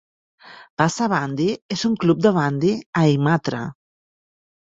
Passa Bandy és un club de bandy a Imatra.